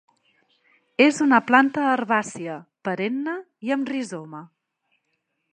És una planta herbàcia, perenne i amb rizoma.